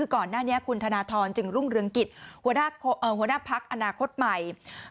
ก่อนหน้านี้คุณธนทรจึงรุ่งเรืองกิจหัวหน้าพักอนาคตใหม่